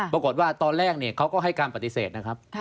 ปรากฏว่าตอนแรกเขาก็ให้การปฏิเสธนะครับ